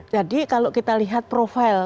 jadi kalau kita lihat profil